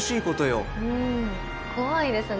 怖いですね。